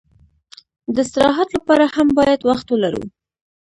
د استراحت لپاره هم باید وخت ولرو.